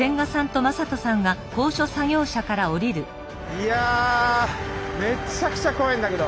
いやめちゃくちゃ怖いんだけど。